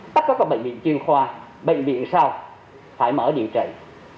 tất cả các bệnh viện chuyên khoa bệnh viện sau phải mở điều trị